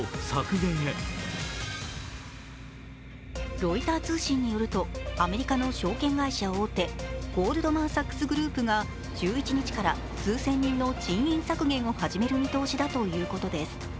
ロイター通信によると、アメリカの証券会社大手ゴールドマン・サックスグループが１１日から数千人の人員削減を始める見通しだということです。